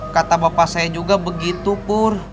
kata bapak saya juga begitu pur